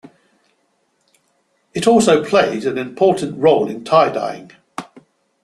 It also played an important role in tie-dyeing.